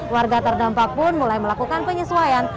warga terdampak pun mulai melakukan penyesuaian